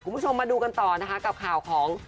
คุณผู้ชมมาดูกันต่อนะคะกับข่าวของ